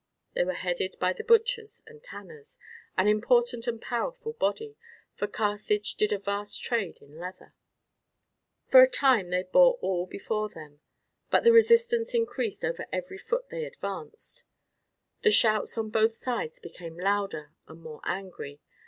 They were headed by the butchers and tanners, an important and powerful body, for Carthage did a vast trade in leather. For a time they bore all before them, but the resistance increased every foot they advanced. The shouts on both sides became louder and more angry.